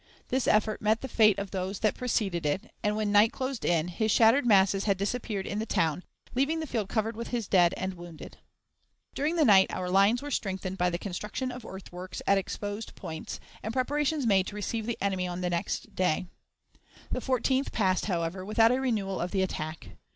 This effort met the fate of those that preceded it, and, when night closed in, his shattered masses had disappeared in the town, leaving the field covered with his dead and wounded. During the night our lines were strengthened by the construction of earthworks at exposed points, and preparations made to receive the enemy on the next day. The 14th passed, however, without a renewal of the attack.